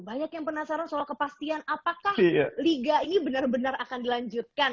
banyak yang penasaran soal kepastian apakah liga ini benar benar akan dilanjutkan